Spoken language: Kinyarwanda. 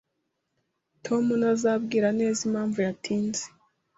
Tom ntazambwira neza impamvu yatinze